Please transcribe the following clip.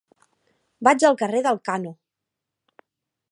Vaig al carrer d'Elkano.